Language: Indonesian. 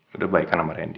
lo udah baik kan sama randy